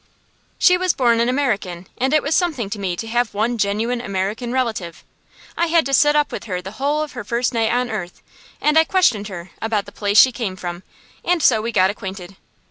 She was born an American, and it was something to me to have one genuine American relative. I had to sit up with her the whole of her first night on earth, and I questioned her about the place she came from, and so we got acquainted.